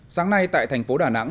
sáng nay tại thành phố đà nẵng